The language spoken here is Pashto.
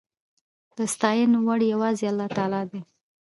د ستاينو وړ يواځې الله تعالی دی